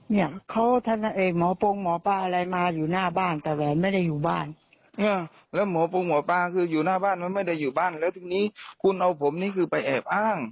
เนี่ยเขาท่านเอกหมอปลงหมอปลาอะไรมาอยู่หน้าบ้าน